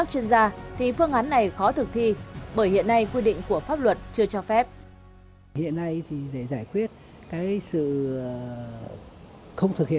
cái vấn đề thứ hai